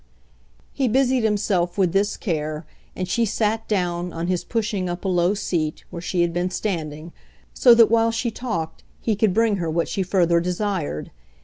He busied himself with this care, and she sat down, on his pushing up a low seat, where she had been standing; so that, while she talked, he could bring her what she further desired.